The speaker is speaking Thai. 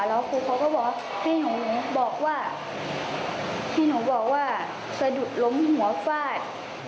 แล้วครูเขาก็ให้หนูบอกว่าสะดุดล้มหัวฝาด